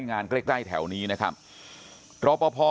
ตรของหอพักที่อยู่ในเหตุการณ์เมื่อวานนี้ตอนค่ำบอกให้ช่วยเรียกตำรวจให้หน่อย